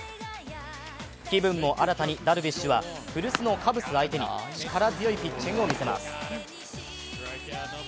気分も新たにダルビッシュは古巣のカブス相手に力強いピッチングをみせます。